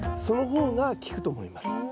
その方が効くと思います。